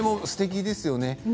すてきですよね。